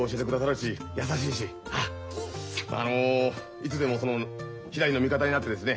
いつでもそのひらりの味方になってですね